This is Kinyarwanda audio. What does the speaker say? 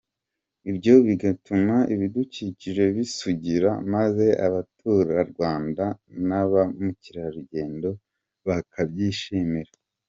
Ibyo bigatuma ibidukikije bisugira maze abaturarwanda na ba mukerarugendo bakabyishimira.”